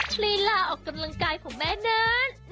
ลีลาออกกำลังกายของแม่นั้น